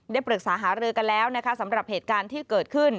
ปรึกษาหารือกันแล้วนะคะสำหรับเหตุการณ์ที่เกิดขึ้น